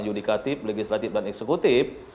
yudikatif legislatif dan eksekutif